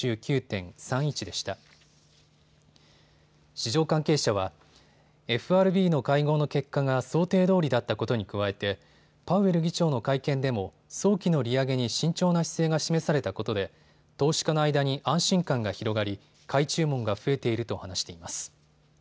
市場関係者は、ＦＲＢの会合の結果が想定どおりだったことに加えてパウエル議長の会見でも早期の利上げに慎重な姿勢が示されたことで投資家の間に安心感が広がり買い注文が増えていると話しています。